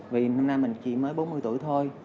vì hôm nay mình chỉ mới bốn mươi tuổi thôi